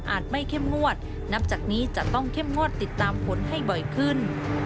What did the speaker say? ไม่เข้มงวดนับจากนี้จะต้องเข้มงวดติดตามผลให้บ่อยขึ้น